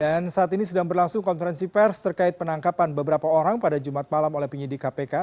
dan saat ini sedang berlangsung konferensi pers terkait penangkapan beberapa orang pada jumat malam oleh penyidik kpk